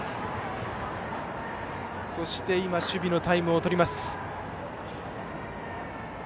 そして、守備のタイムを取ります。